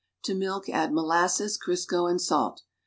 To milk add molasses, Crisco and salt.